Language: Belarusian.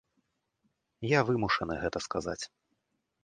Я вымушаны гэта сказаць.